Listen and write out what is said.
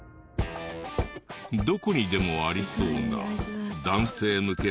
どこにでもありそうな男性向け